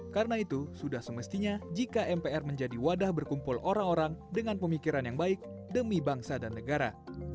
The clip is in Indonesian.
karena itu sudah semestinya jika mpr menjadi wadah berkumpul orang orang dengan pemikiran yang baik demi bangsa dan negara